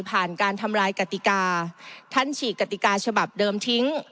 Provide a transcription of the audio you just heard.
การทำลายกติกาท่านฉีกกติกาฉบับเดิมทิ้ง